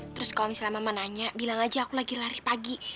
terus kalau misalnya mama nanya bilang aja aku lagi lari pagi